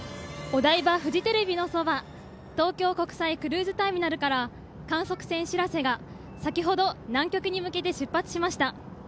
お台場・フジテレビのそば東京国際クルーズターミナルから観測船「しらせ」が先ほど南極に向けて出発しました。